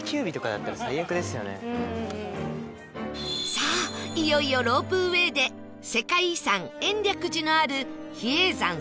さあいよいよロープウェイで世界遺産延暦寺のある比叡山山頂へ！